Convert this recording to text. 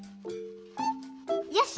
よし！